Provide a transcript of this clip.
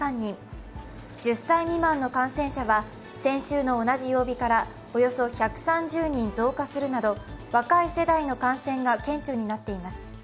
１０歳未満の感染者は先週の同じ曜日からおよそ１３０人増加するなど若い世代の感染が顕著になっています。